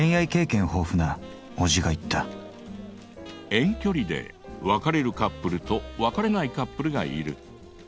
遠距離で別れるカップルと別れないカップルがいる。